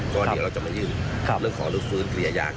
ก็เดี๋ยวเราจะมายืนเรื่องของรูปฟื้นเกลี่ยยาง